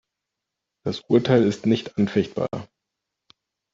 Das Urteil ist nicht anfechtbar.